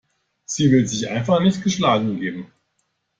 Sie will sich einfach nicht geschlagen geben.